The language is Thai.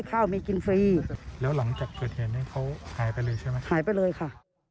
ข้าวไม่กินฟรีแล้วหลังจากเกิดเหตุนี้เขาหายไปเลยใช่ไหมหายไปเลยค่ะ